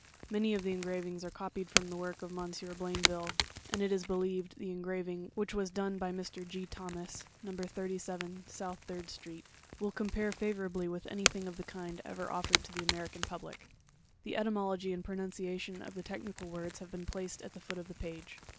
Many of the engravings are copied from the works of M. Blain ville; and, it is believed, the engraving, which was done by Mr. G. Thomas, (No. 87 South Third Street,) will compare favour ably with anything of the kind ever offered to the American public. The etymology and pronunciation of the technical words have been placed at the foot of the page.